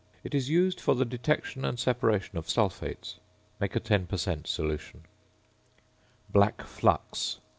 It is used for the detection and separation of sulphates. Make a 10 per cent. solution. "~Black Flux.